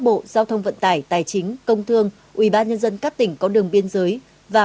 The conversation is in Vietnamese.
bộ giao thông vận tải tài chính công thương ủy ban nhân dân các tỉnh có đường biên giới và